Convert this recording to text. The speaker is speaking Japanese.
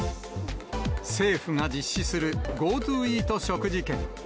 政府が実施するＧｏＴｏイート食事券。